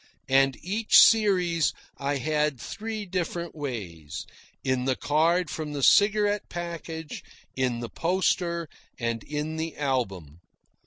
And each series I had three different ways: in the card from the cigarette package, in the poster, and in the album.